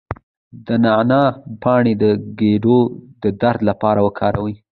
د نعناع پاڼې د ګیډې د درد لپاره وکاروئ